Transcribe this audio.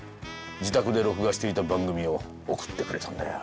自宅で録画していた番組を送ってくれたんだよ。